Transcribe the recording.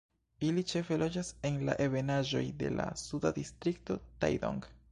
Ili ĉefe loĝas en la ebenaĵoj de la suda distrikto Taidong.